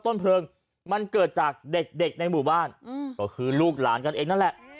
ต้นเพลิงมันเกิดจากเด็กเด็กในหมู่บ้านก็คือลูกหลานกันเองนั่นแหละ